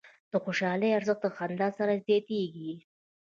د خوشحالۍ ارزښت د خندا سره زیاتېږي.